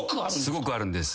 すごくあるんです。